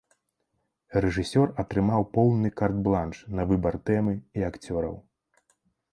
Рэжысёр атрымаў поўны карт-бланш на выбар тэмы і акцёраў.